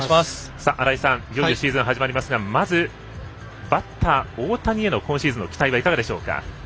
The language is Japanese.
新井さん、いよいよシーズン始まりますがまず、バッター大谷への今シーズンの期待はいかがでしょうか？